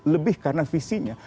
lebih karena visinya